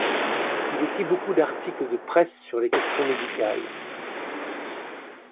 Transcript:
Il écrit beaucoup d'articles de presse sur les questions médicales.